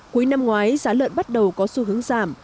cuối năm ngoái giá lợn bắt đầu có xu hướng giảm